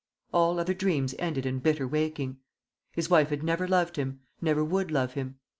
All other dreams ended in bitter waking. His wife had never loved him, never would love him.